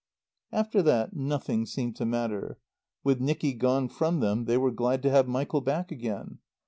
After that nothing seemed to matter. With Nicky gone from them they were glad to have Michael back again.